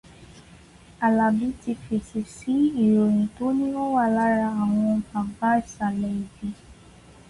Àlàbí ti fèsì sí ìròyìn tó ní ó wà lára àwọn bàbá ìsàlẹ̀ ibi